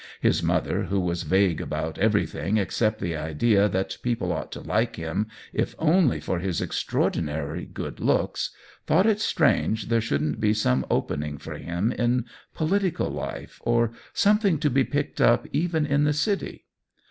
His mother, who was vague about everything except the idea that peo ple ought to like him, if only for his extraor dinary good looks, thought it strange there shouldn't be some opening for him in politi cal life, or something to be picked up even in the City.